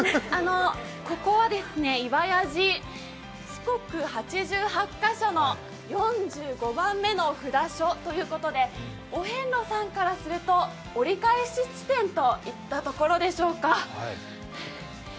ここは岩屋寺、四国八十八箇所の４５番目の札所ということでお遍路さんからすると、折り返し地点といったところでしょうか。